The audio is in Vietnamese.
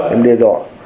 em đe dọa